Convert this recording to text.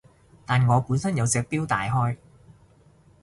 但我本身有隻錶戴開